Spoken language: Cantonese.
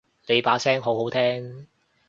你把聲好好聽